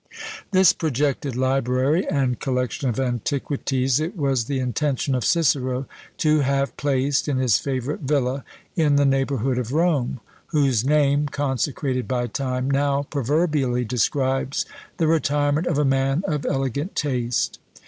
This projected library and collection of antiquities it was the intention of Cicero to have placed in his favourite villa in the neighbourhood of Rome, whose name, consecrated by time, now proverbially describes the retirement of a man of elegant taste.